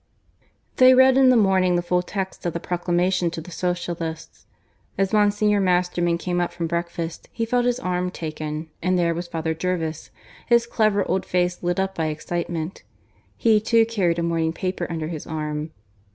(V) They read in the morning the full text of the proclamation to the Socialists. As Monsignor Masterman carne up from breakfast, he felt his arm taken, and there was Father Jervis, his clever old face lit up by excitement. He too carried a morning paper under his arm.